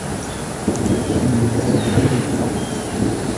إنها رقيقة.